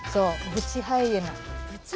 ブチハイエナ。